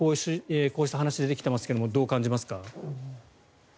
こうした話出てきてますがどう感じますか？